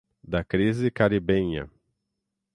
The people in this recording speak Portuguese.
da crise caribenha